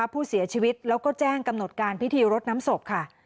ผู้เสียชีวิตแล้วก็แจ้งกำหนดการพิธีรดน้ำศพค่ะ